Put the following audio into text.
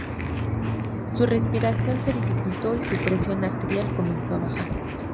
Su respiración se dificultó y su presión arterial comenzó a bajar.